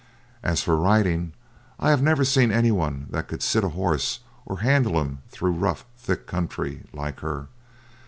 As for riding, I have never seen any one that could sit a horse or handle him through rough, thick country like her.